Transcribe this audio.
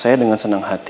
saya dengan senang hati